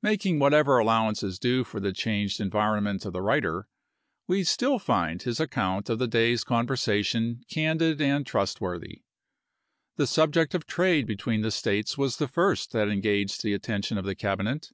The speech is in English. Making whatever allowance is due for the changed environ «The ment of the writer, we still find his account of the ipriusk day's conversation candid and trustworthy. The subject of trade between the States was the first that engaged the attention of the Cabinet.